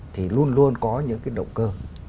thì luôn luôn có những cái động cơ